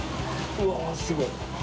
うわぁすごい！